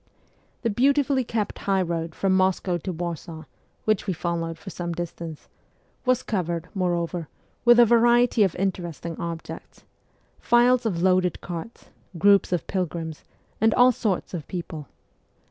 The beautifully kept high road from Moscow to Warsaw, which we followed for some distance, was covered, moreover, with a variety of interesting objects : files of CHILDHOOD 49 loaded carts, groups of pilgrims, and all sorts of people.